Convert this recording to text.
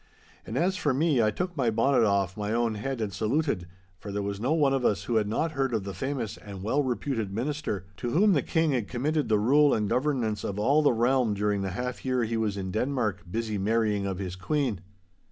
And as for me I took my bonnet off my own head and saluted, for there was no one of us who had not heard of the famous and well reputed minister, to whom the King had committed the rule and governance of all the realm during the half year he was in Denmark busy marrying of his queen.